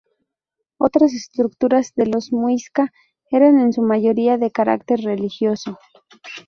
Otras estructuras de los Muisca eran en su mayoría de carácter religioso.